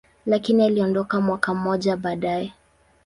lakini aliondoka mwaka mmoja baadaye.